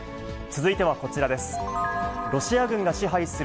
続いてはこちらです。